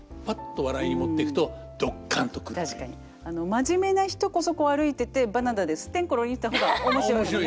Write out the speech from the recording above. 真面目な人こそこう歩いててバナナでスッテンコロリンした方が面白いですよね。